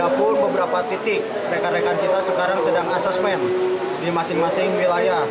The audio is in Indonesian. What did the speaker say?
ada pun beberapa titik rekan rekan kita sekarang sedang asesmen di masing masing wilayah